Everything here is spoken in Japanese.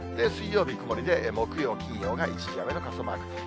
水曜日曇りで、木曜、金曜が一時雨の傘マーク。